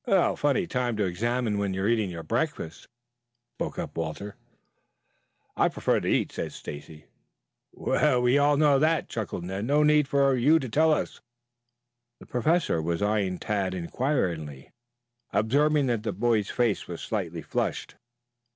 "Funny time to examine it when eating your breakfast," spoke up Walter. "I prefer to eat," said Stacy. "We know that," chuckled Ned. "No need for you to tell us." The Professor was eyeing Tad inquiringly, observing that the boy's face was slightly flushed.